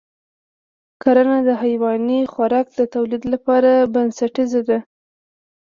کرنه د حیواني خوراک د تولید لپاره بنسټیزه ده.